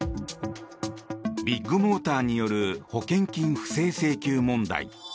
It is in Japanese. ビッグモーターによる保険金不正請求問題。